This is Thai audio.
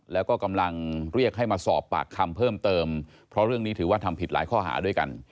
แล้วก็กำลังเรียกให้มาสอบปากคำเพิ่มเติมเพราะเรื่องนี้ถือว่าทำผิดหลายข้อหาด้วยกัน